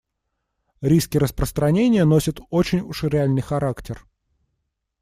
Риски распространения носят очень уж реальный характер.